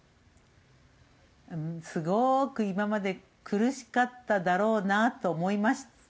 すごく今まで苦しかっただろうなと思います。